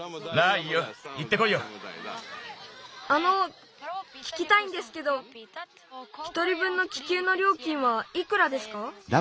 あのききたいんですけど１人ぶんの気球のりょうきんはいくらですか？